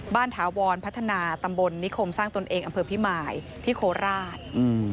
ถาวรพัฒนาตำบลนิคมสร้างตนเองอำเภอพิมายที่โคราช